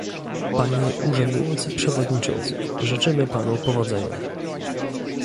Panie urzędujący przewodniczący, życzymy panu powodzenia